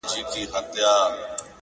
نوي هم ښه دي خو زه وامقاسم یاره,